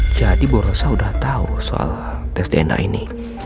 jadi bu rosa udah tahu soal tes dna ini